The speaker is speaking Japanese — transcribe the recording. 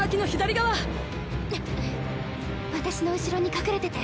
私の後ろに隠れてて。